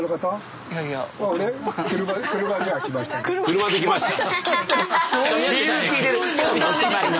車で来ました。